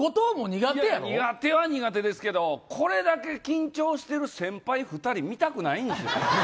苦手は苦手ですけどこれだけ緊張してる先輩２人見たくないんですよ。